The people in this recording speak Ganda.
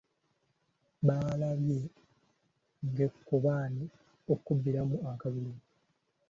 Balabye ng'ekkobaane okubbiramu akalulu.